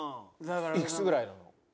いくつぐらいなの？